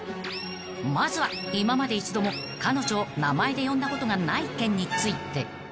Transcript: ［まずは今まで一度も彼女を名前で呼んだことがない件について］